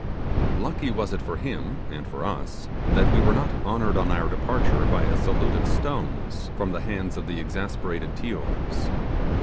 Lucky was it for him and for us that we were not honoured on our departure by a salute of stones from the hands of the exasperated Tiors.